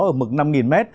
ở mực năm m